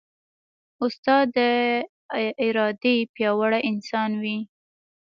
استاد د ارادې پیاوړی انسان وي.